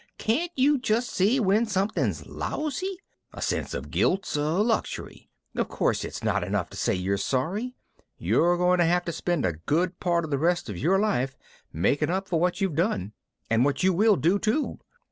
"Can't you just see when something's lousy? A sense of guilt's a luxury. Of course it's not enough to say you're sorry you're going to have to spend a good part of the rest of your life making up for what you've done ... and what you will do, too!